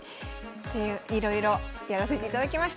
いろいろやらせていただきました。